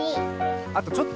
あとちょっと。